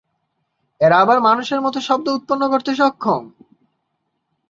এরা আবার মানুষের মত শব্দ উৎপন্ন করতে সক্ষম।